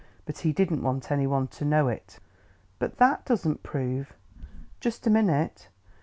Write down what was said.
But he didn't want anybody to know it." "But that doesn't prove " "Just a minute."